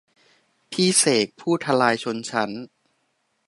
พี่เสกผู้ทลายชนชั้น